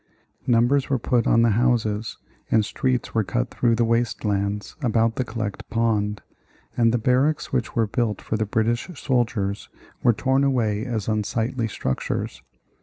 Numbers were put on the houses and streets were cut through the waste lands about the Collect Pond, and the barracks which were built for the British soldiers were torn away as unsightly structures.